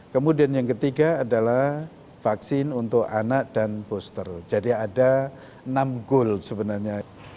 kemudian yang ketiga adalah vaksin untuk anak dan booster jadi ada enam goal sebenarnya